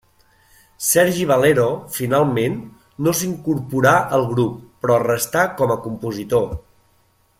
Sergi Valero, finalment, no s'incorporà al grup però restà com a compositor.